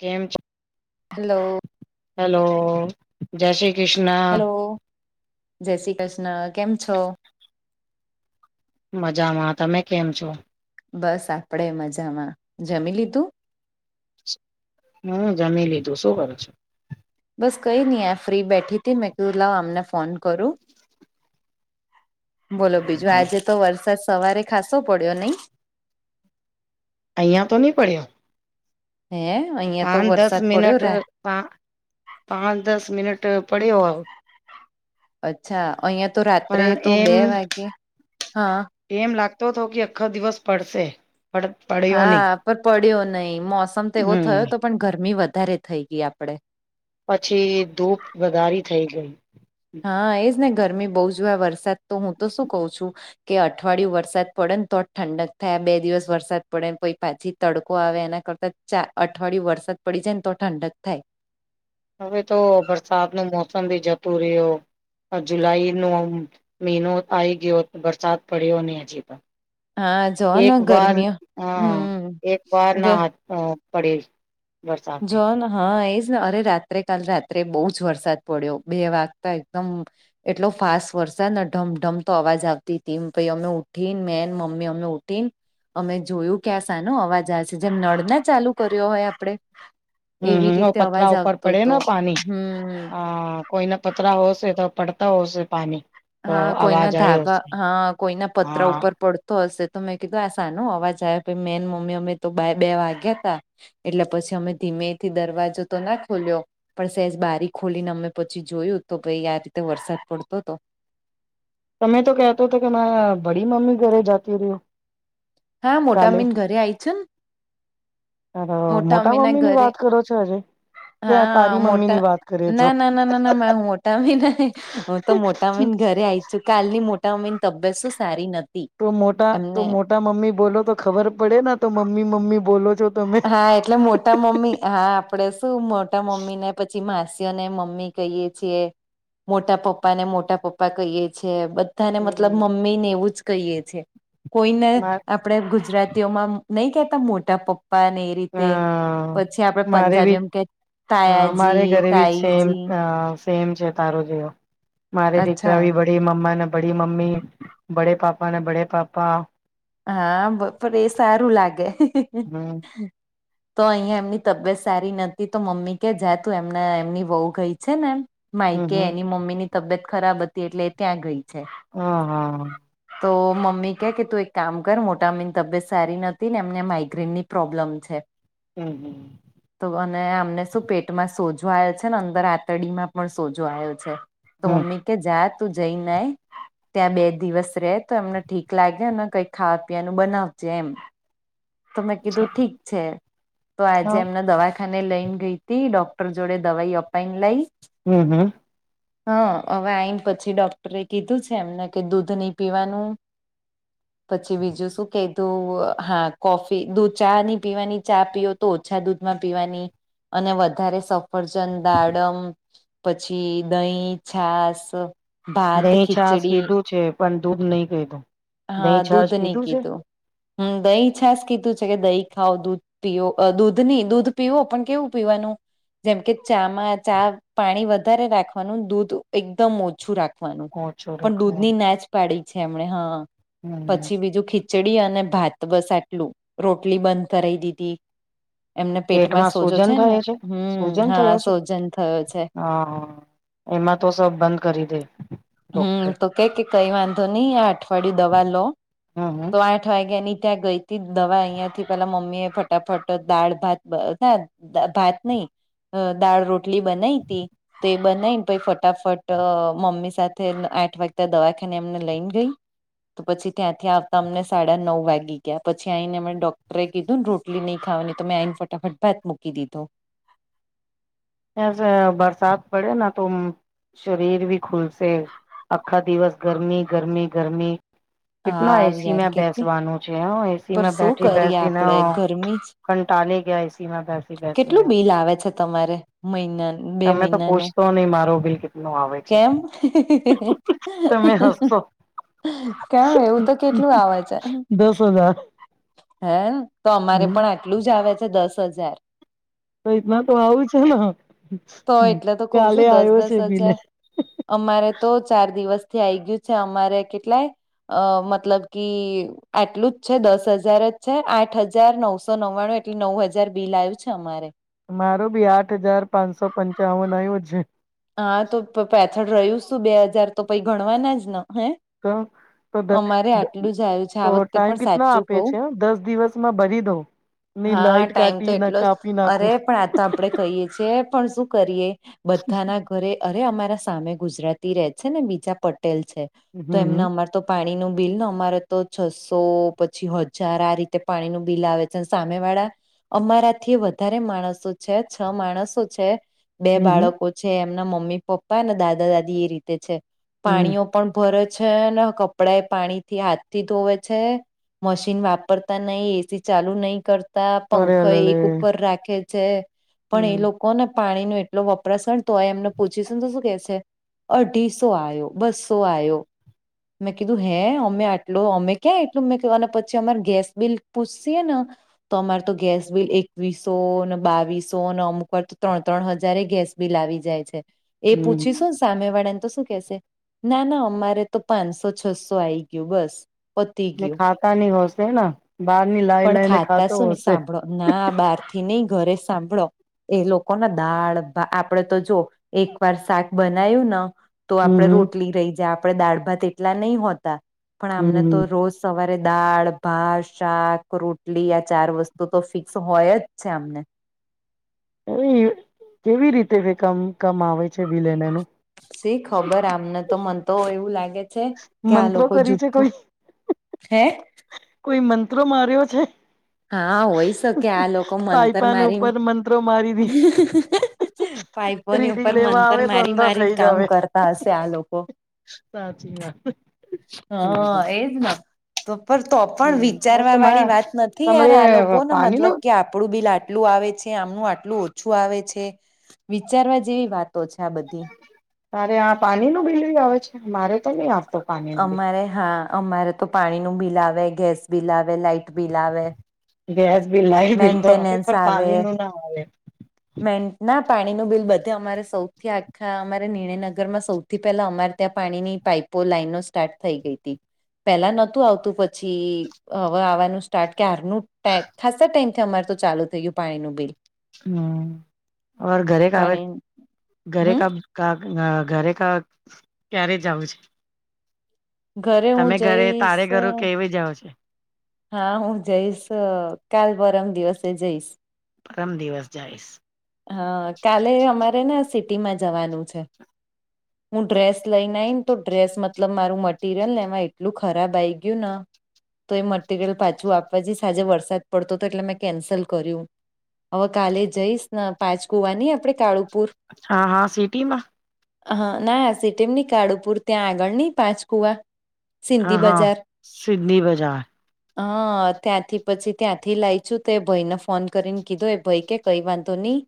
કેમ છો. Hello hello જય શ્રી હેલો કૃષ્ણ જય શ્રી કૃષ્ણ કેમ છો. મજામાં તમે કેમ છો. બસ આપડે મજામાં જમી લીધૂ હમ્મ જમી લીધૂ સુ કરો છો. બસ કઈ નહી આ ફ્રી બેઠી તી મેં કીધું લાવ અમને ફોન કરુ બોલો બીજું હા આજે તો વરસાદ સવારે ખાાસો પડ્યો નહી અહીંયા તો નહી પડ્યો હે અહિયાં તો વરસાદ પડ્યો રા પા પાંચ દસ મિનિટ પડ્યો આવ અચ્છા અહિયાં તો રાત્રે પણ તો એમ બે વાગે હા એમ લાગતો તો કે અખો દિવસ પડશે [unintelligible] હા પર પડ્યો નહીિ મોસમ તો એવો થયો હમ તો પણ ગરમી વધારે થઈ ગઈ આપડે પછી ધૂપ વધારી થઈ ગઈ. હા એજ ને ગરમી બહુ જો વરસાદ તો હું તો શું કઉ છુ. કે અઠવાડિયું વરસાદ પડે ને તો જ ઠંડક થાય બે દિવસ વરસાદ પડે ને પ પાછી તડકો આવે એના કરતાં ચાર અઠવાડિય વરદ પડી જાય ને તો ઠંડક થાય. હવે તો બરસાતનું મોસમ બી જતું રહ્યો. જુલાઈ નો મહિનો આ આવી ગયો વરસાદ પડ્યો અને હજી પણ હા જો એક ને વાર ગરમીઓ હ હમ એક વાર ગ નાા પડે વરસાદે જોન હા એજ ને અરે રાત્રે કાાલ રાત્રે બહુ જ વરસાદ પડ્યો બે વાક તો એકદમ એટલો ફાસ્ટ વરસાદ ઢમઢમ તો અવાજ આવતી હતી ભ અમે ઉઠીને મેન મમ્મી અમે ઉઠીને અમે જોયું કે્યા આ સાનો અવાજ આવે છે જેમ નળના ચાલુ કર્યો હોય આપડણે હમ હમ પથરા ઉપર પડે હતો ના પાણી હમ હ કોઈ ના પચરા હોસે તો પડતા હો પાણી તો હા કોઈના અવાજ આવ્યો ધાબા હશે હા કોઈના પતરા હા ઉપર પડ તો હશે તો મેં કીધું આ સાાન અવાજ આવે પ મે મમ્મી અમે તો બે વાગ્યા હતા. એટલે પછી અમે ધીમેથી દરવાજો તો ના ખોલ્યો પણ સહેજ બારી ખોલીને અમે પછી જોયું તો ભાઈ આ રીતે વરસાદ પડતો હતો. તમે તો કેહેતો હતો કે મે બડી મમ્મી ઘરે જતી રહી. હા મોટા મિન ઘરે આય છે. હ મોટા મમ્મી ની ઘરે વાત કરો છો હજે ક્યાં હા તારી મમ્મી ની મોટા વાત કરે છો ના ના ના ના ના મોટા ભી ના તો મોટા મહયને ઘરે આવી છું કાલની મોટા મયની તબિયત શું સારી નથી. તો મોટા તો એમને મોટા મમ્મી બોલો તો ખબર પડે ને તો મમ્મી મમ્મી બોલો છો, તમે હા એટલે મોટા મમ્મી, હા આપડે શું મોટા મમ્મી ને પછ છી માસીયો ને મમ્મી કહીએ છીએ. મોટા પપ્પા ને મોટા પપ્પા કહીએે છે, બધ ધા ને મતલબ હમ મમ્મી ને એવું જ કહીએ છે. કોઈને મા આપ પણે ગુજરાતીઓમાં નહીં કહેતા મોટા પપ્પાને એ અ રીતે પછી આપણે મારે બી પંજાબીયોમાં કેત, અ મારે તાયાજી, ઘરે બી સેમ તાઈજી અ સેમ છે તારો જેવો. મારે દીકરા અચ્છા ભી [unintelligible] ડી મમ્માને બડી મમ્મી, બડે પાપા બડે પાપા હા, બ પણ એ સારું લાગે. હમ તો અહીંયા એમની તબિયત સારી નથી તી મમ્મી કે જા તું એમના એમની વહુ ગઈ છે ને એમ હમ માઈકે હમ એની મમ્મીની તબિયત ખરાબ હતી એટલે એ ત્યાં ગઈ છે. હા, હા. તો મમ્મી કે કે તું એક કામ કર મોટા અમ્મીની તબિયત સારી નથી ને એમને માઇગ્રેન ની પ્રોબ્લેમ છે હમ્મ-હમ્મ. તો અને અમને શું પેટમાં સોજો આયો છે, ને અંદર આંતરડીમાં પણ સોજો આયો છે. તો હમ મમ્મી કે જા તું જઈ ને આય, ત્યાં બે દિવસ રહે તો એમને ઠીક લાગે ને કઈ ખાવા પીવાનું બનાવજે એમ. તો મેં કીધું ઠીક છે. તો આજે એમને દવાખાને લઈને ગઈ તી, ડોક્ટર જોડે દવાઈ અપાઈન લાઈ હમ્મ-હમ્મ. હા. હવે આઈન પછી ડોક્ટરે કીધું છે એમને કે દૂધ નહીં પીવાનું પછી બીજું શું કીધું હા, કોફી દુ ચા ની પીવાની ચા પીઓ તો ઓછા દૂધમાં પીવાની, અને વધારે સ ફરજન, દાડમ પછી દહીં, છાસ ભાત દહીં-છાશ ખીચડી કીધું છે, પણ દૂધ નહીં કીધું. દહીં-છાસ કીધું છે? હમ્મ. દહી-છાસ કીધું છે, કે દહીં ખાવ દૂધ પીઓ, અહ દૂધ ની, દૂધ પીવો પણ કેવું પીવાનું જેમકે ચામાં ચા પાણી વધારે રાખવાનું, દૂધ એકદમ ઓછું રાખ વાનું, ઓછો પણ રખ દૂધની ના જ પાડી છે એમણે હા. હમ પછી બીજું ખીચડી અને ભાત બસ આટલું. રોટલી બંધ કરાઈ દીધી. એમને પેટમાં સોજો સૂજન છે ને, થયો હમ્મ, સૂજન હા થયો છે સોજન થયો છે. હા એમાં તો સબ બંધ કરી દે. હમ્મ. ડોક્ટર તો કે-કે કંઈ વાંધો નહીં, આ અઠવાડિયું દવા લો. હા, હા. તો આઠ વાગ્યા ની ત્યાં ગઈ તી દવા અહિયાં થી પેલા મમ્મી એ ફટાફટ દાળ ભાત બ [unintelligible] દ ભાત નહીં, અહ દાળ રોટલી બનાઈ તી તે બનાઈન ને પહી ફટાફટ અહ મમ્મી સાથે આઠ વાગતા દવાખાને એમને લઈને ગઈ. તો પછી ત્યાંથી આવતા અમને સાડા નવ વાગી ગયા, પછી આઈને અમે ડોક્ટરે કીધુંન રોટલી નહીં ખાવાની તો મેં આઈન ફટાફટ ભાત મૂકી દીધો. [unintelligible] બરસાત પડે ના તો અમ્મ શરીર ભી ખુલસે, આખા દિવસ ગરમી, ગરમી, ગરમી. [inaudible] કેટલા એ યાર સીમાં કેટલી બેસવાનું છે, હા એ સી પર માં શું બેઠી કરીએ બેસીને આપડે અહ ગરમી કંટાલી ગયા એ સીમાં બેસી-બેસી ને. કેટલું બિલ આવે છે તમારે મહિના બે તમે તો મહિનાનું, પૂછતો નહી મારો બિલ કેટલો આવે છે કેમ? તમે હસશો [inaudible] કેવું એવું તો દસ કેટલુંય આવે છે, હજાર હે તો અમારે હમ પણ આટલું જ આવે છે દસ હજાર તો એના તો આવું છે ને તો એટલે તો કઉ કાલે છું દસ આવ્યો દસ છે બિલે હજાર અમારે તો ચાર દિવસથી આઈ ગયું છે અમારે કેટલાય અ મતલબ કે આટલું જ છે દસ હજાર જ છે, આઠ હજાર નવસો નવ્વાણું એટલે નવ હજાર બિલ આવ્યું છે અમારે મારો બી આઠ હજાર પાંચસો પંચાવન આવું છે. હા તો પાછળ રહ્યું શું બે હજાર તો પહી ગણવાના જ હે તો તો અમારે આટલું જ આવ્યું છે તો આ વખતે ટાઈમ પણ કેટલા સાચું આપે કવ છે દસ દિવસમાં ભરી દઉં નહી હા લાઈટ ટાઈમ તો કાટી ના એટલો જ કાપી નાખો અરે પણ આ આપડે કહીએ છી પણ શું કરીએ બધાના અરે અરે અમારા સામે ગુજરાતી રે છે ને બીજા પટેલ છે તો હમ એમને હમ અમાર તો પાણી નું બિલ ને અમારે તો છસો પછી હજાર આ રીતે પાણી નું બિલ આવે સામે વાળા અમારા થી વધારે માણસો છે, છ માણસો છે. બે હમ બાળકો છે એમના મમ્મી પપ્પા અનેને દાદા દાદી એ રીતે છે, પાણીઓ હમ પણ ભરે છે ને કપડા એ પાણી થી હાથથી ધોવે છે. મશીન વાપરતા નહી એસી ચાલુ નહી કર તા અરે પંખ અરેરે એક ઉપર રાખે છે, હમ પણ એ લોકોને પાણી નો એટલો વપરાશ તો એમને પુછીસુને તો શું કે છે અઢીસો આવ્યો બસો આવ્યો‌ મેં કીધું હે અમે આટલુ અમે ક્યાં એટલું મે અને પછી અમાર ગેસ બિલ પૂછીએ ને તો અમારે તો ગેસ બિલ એકવીસો ને બાવીસો ને અમુક વાર તો ત્રણ ત્રણ હજાર ગેસ બિલ આવી જાય છે, એ હમ પૂછી શું સામે વાળા ને તો શું કેસે ના ના અમારે તો પાંચસો છસો આવી ગયું બસ ગયું ખાતા નની હશે બહાર ની લાઈ પણ લઈને ખાતા ખાતો શું ને હશે સાંભળો ના બહાર થી નઈ ઘરે સાંભળો એ લોકો ના દાળ આપડે તો જો એક વાર શાક બનાયું ને તો આપડે હમ હમ રોટલી રહી જાય આપે દાળ ભાત એટલા નહીં હોતા પણ આમને તો હમ રોજ સવારે દાળ ભાત શાક રોટલી આ ચાર વસ્તુ તો ફિક્સ હોય જ છે આમને હ કેવી રીતે રમ કમ આવે છે બીલ એનું? સી ખબર આમને તો મન તો હો એવું લાગે છે, કે આ મંત્રો લોકો કરી છે જુઠ્ઠું કોઈ હે કોઈ મંત્રો માર્યો છે? હા હોય શકે આ લોકો મંતર પાઈપાને મારીન ઉપર મંત્રો મારી દી [unintelligible] લોકોની રીડિંગ ઉપર લેવા મંત્ર આવે તો મારી અંધા મારીને થઈ કામ જાવ કરતા હશે આ લોકો સાચી વાત [unintelligible] હા હા હમ એજ ના તો પણ તો પણ હ વિચારવા તો મા વાળી વાત નથી યાર આ તમારે લોકોને મતલબ પાણીનું કે આપણું પણ લાટ આટલું આવે છે, આમનું આટલું ઓછું આવે છે, વિચારવા જેવી વાતો છે આ બધી અરે આ પાણી નું બિલી આવે છે? મારે તો નહી આવતો પાણીનું અમારે હા અમારે તો પાણીનું બિલ આવે ગેસ બિલ આવે લાઈટ બિલ આવે. ગેસ બિલ બિલ તો આવે મેન્ટેનન્સ પણ પાણીનું ના આવે. [unintelligible] પાણી નું બિલ બધે અમારે સૌથી આખા અમારે નિણયનગર માં સૌથી થી પેલા અમારે ત્યાં પાણીની પાઈપો લાાઈનો સ્ટાર્ટ થઈ ગઈ હતી. પેલા નહોતું આવતું પછી હવે આવવાનું સ્ટાર્ટ કે હારનુંટેક ખાસ ટાઈમથી અમારે તો ચાલુ થયું પાણીનું બિલ હમ્મ અમારે ઘરે કાવે પાણી ઘરે હમ [unintelligible] [unintelligible] ઘરે [unintelligible] ક્યારે જવું છે? ઘરે હું તમે ઘરે જઈશ તારે ઘર કેવી જાઓ છો હા હું જઈશ કાલ પરમ દિવસે જઈશ. પરમ દિવસ જઈશ. હા કાલે અમારે ને સિટીમાં જવાનું છે. હું ડ્રેસ લઈને આઇ ને તો ડ્રેસ મતલબ મારું મટીરિયલ ને એમાં એટલું ખરાબ આઈ ગયું ન તો એ મટરિયલ પાછું આપવા જઈશ આજે વરસાદ પડતો તો એટલે મેં કેન્સલ કર્યું. હવે કાલે જઈશ પાંચ કુવાની આપડે કાળું હા હા સિટી માં હા ના સિટીમ ની કાળુપુર ત્યાં આગળ નહી પાંચ કુવા. હા સિંધી હા બજાર. સિદ્ની બજાર હા ત્યાંથી પછી ત્યાંથી લાઈ છું, તો ભાઈને ફોન કરીને કીધો એ ભાઈ કે કઈ વા ધો નહી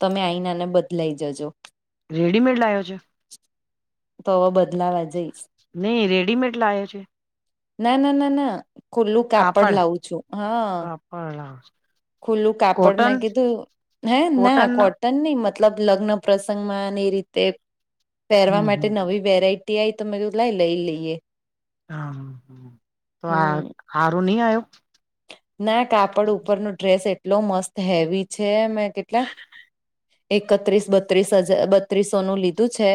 તમે આવી ને બદલાઈ જજો. રેડીમેડ લાયો છે? તોવે બદલાવા જઈશ. નહી રેડીમેડ લાયા છે? ના ના ના ના ખુલ્લું કાપડ લાવું છું, હા. [unintelligible] ખુલ્લું કાપડ મે કોટન કીધું હે ના કોટન કોટ ટન નહી મતલબ લગ્ન પ્રસંગમાં એ રીતે હમ પહેરવા માટે હમ નવી વેરાઈ ટીઆઈ તમે લાઈ લઈ લઈએ. હ તો આ હમ હારું નહી આયો? ના કાપડ ઉપરનો ડ્રેસ એટલો મસ્ત હેવી છે, કેટલા એકત્રીસ બત્રીસ હજા બત્રીસોનું લીધું છે.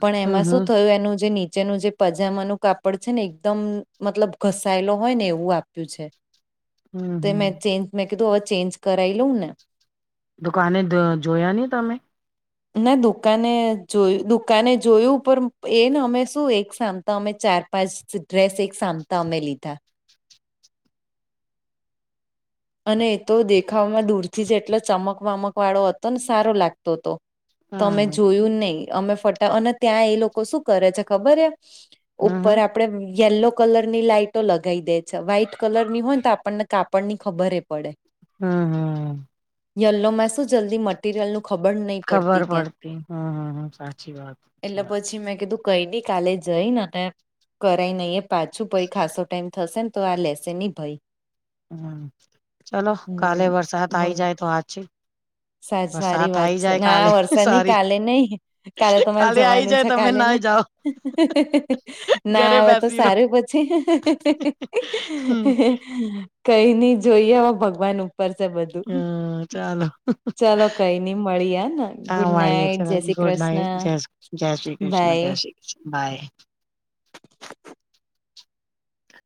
પણ એમાં હમ શું હમ થયું એનું જે નીચેનું જે પજામા નું કાપડ છે, ને એકદમ મતલબ ઘસાયેલો હોય ને એવું આપ્યું છે. હમ તે હમ મેં ચેન્જ મેં કીધું હવે ચેન્જ કરાઈ લઉં ને. દુકાને જોયા નહીં તમે? [inaudible] ના દુકાને જોયું દુકાને જોયું પણ એને અમે શું એક સામટો અમે ચાર પાંચ ડ્રેસ એક સામતા અમે લીધા. અને એ તો દેખાવમાં દૂર થી જેટલો ચમકવામક વાળો હતો ને સારો લાગતો હતો. તોમે હમ હમ જોયું નહી અમે ફટા અને ત્યાં એ લોકો શું કરે છે, ખબર હે હમ ઉપર હમ આપ પડે યેલો કલર ની લાઈટો લગાવી દે છે વ્હાઈટ કલર ની હોય ને તો આપણને કાપડ ની ખબરે પડે હા હા યલો મેં શું જલ્દી મટીરિયલ નું ખબર નહી ખબર પડતી હમ હમ સાચી વાત એટલે સાચી વાત પછી મેં કીધું કઈ બી કાલે જઈ ને કરાઈ નહી પાછું પછે ખાસો ટાઈમ થશે ને તો આ લેશે નહી ભાઈ હમ ચલો કાલે વરસાત આઈ જાય તો આજે [inaudible] સર સારી વાત છે ના વરસાદ ની સારી કાલે નઈકાલે તમારે કાલે આઈ જવાનું જાય છે તમે કાલે ના નઈ જાઓ ના ઘરે આવે તો બેસી રહો સારું પછી. હમ કઈ નઈ જોઈએ હવે ભગવાન ઉ પર છે બધું. હમ ચાલો. ચલો કઈ નઈ મળી હ ને હા ગુડ વાળીએ નાઈટ ચલો જય શ્રી ગુડ નાઇટ જય કૃષ્ણ જય શ્રી કૃષ્ણ બાય જય શ્રી. બાય.